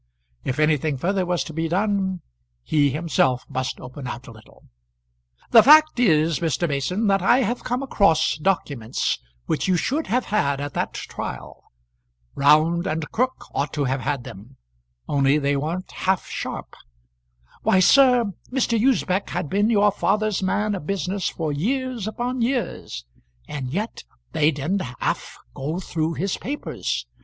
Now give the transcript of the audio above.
If anything further was to be done, he himself must open out a little. "The fact is, Mr. Mason, that I have come across documents which you should have had at that trial. Round and Crook ought to have had them, only they weren't half sharp. Why, sir, Mr. Usbech had been your father's man of business for years upon years, and yet they didn't half go through his papers.